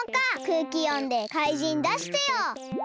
くうきよんでかいじんだしてよ！